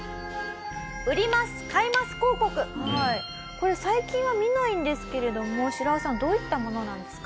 これ最近は見ないんですけれどもシラワさんどういったものなんですか？